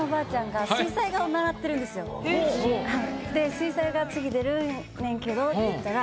「水彩画次出るねんけど」って言ったら。